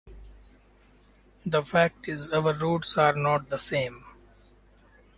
The fact is, our roads are not the same.